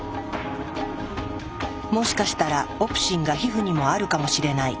「もしかしたらオプシンが皮膚にもあるかもしれない」。